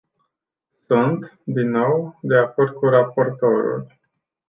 Sunt, din nou, de acord cu raportorul.